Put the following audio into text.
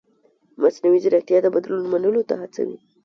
مصنوعي ځیرکتیا د بدلون منلو ته هڅوي.